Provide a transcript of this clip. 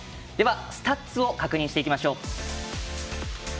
スタッツを確認していきましょう。